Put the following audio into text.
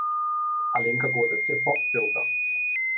Alenka Godec je pop pevka.